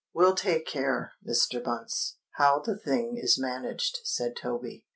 "We'll take care, Mr. Bunce, how the thing is managed," said Toby.